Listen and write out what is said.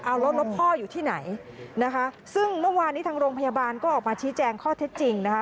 เอาแล้วแล้วพ่ออยู่ที่ไหนนะคะซึ่งเมื่อวานนี้ทางโรงพยาบาลก็ออกมาชี้แจงข้อเท็จจริงนะคะ